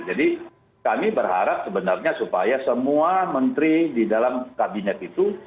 jadi kami berharap sebenarnya supaya semua menteri di dalam kabinet itu